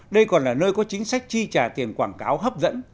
đây còn là nơi có chính sách chi trả tiền quảng cáo hấp dẫn